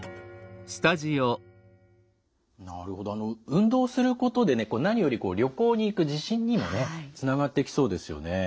運動することでね何より旅行に行く自信にもねつながってきそうですよね。